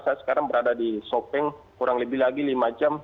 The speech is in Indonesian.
saya sekarang berada di sopeng kurang lebih lagi lima jam